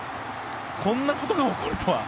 こんなことが起こるとは。